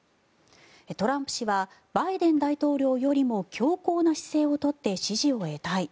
トランプ氏はバイデン大統領よりも強硬な姿勢を取って支持を得たい。